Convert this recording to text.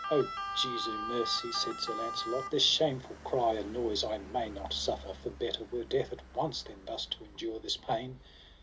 O Jesu mercy, said Sir Launcelot, this shameful cry and noise I may not suffer, for better were death at once than thus to endure this pain.